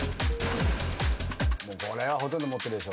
これはほとんど持ってるでしょ。